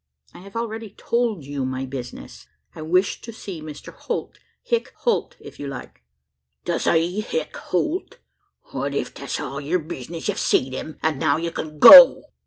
"I have already told you my business: I wish to see Mr Holt Hick Holt, if you like." "To see Hick Holt? Wal, ef that's all yur bizness, you've seed him; an' now ye kin go."